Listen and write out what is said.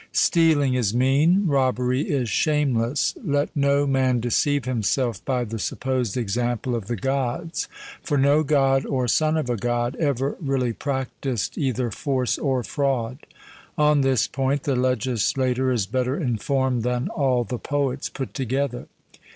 Stealing is mean; robbery is shameless. Let no man deceive himself by the supposed example of the Gods, for no God or son of a God ever really practised either force or fraud. On this point the legislator is better informed than all the poets put together.